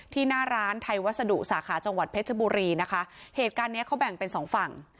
หน้าร้านไทยวัสดุสาขาจังหวัดเพชรบุรีนะคะเหตุการณ์เนี้ยเขาแบ่งเป็นสองฝั่ง